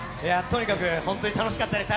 とにかく本当に楽しかったです。